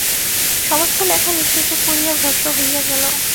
সমস্ত লেখা নিঃশেষে পুড়িয়া ভস্ম হইয়া গেল।